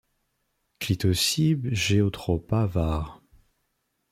Clitocybe geotropa var.